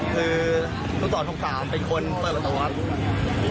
คือทุกสองอีกสามเป็นคนเปิดวัตถาวักษ์